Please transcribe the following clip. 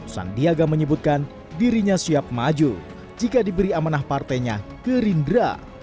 sandiaga menyebutkan dirinya siap maju jika diberi amanah partainya gerindra